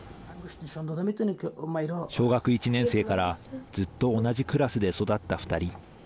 小学１年生からずっと同じクラスで育った２人。